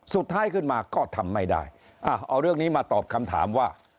สุดท้ายขึ้นมาก็ทำไม่ได้เอาเรื่องนี้มาตอบคำถามว่า